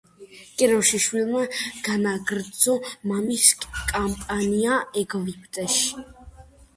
კიროსის შვილმა განაგრძო მამის კამპანია ეგვიპტეში.